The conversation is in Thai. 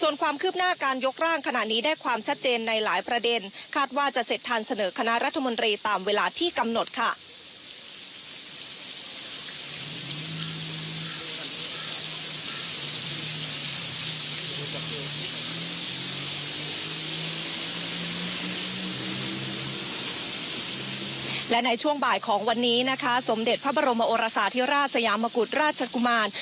และในช่วงบ่ายของวันนี้นะคะสมเด็จพระบรมโอราศาสตร์ที่ราชสยามกุฎราชกุมาร